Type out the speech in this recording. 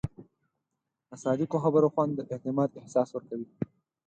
د صادقو خبرو خوند د اعتماد احساس ورکوي.